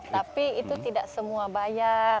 tapi itu tidak semua bayar